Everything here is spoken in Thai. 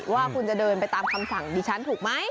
ว่าคุณจะเดินไปตามคำสั่งดิฉันถูกไหม